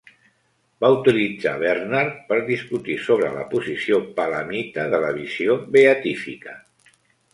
Va utilitzar Bernard per discutir sobre la posició palamita de la visió beatífica.